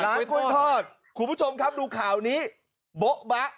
กล้วยทอดคุณผู้ชมครับดูข่าวนี้โบ๊ะบะ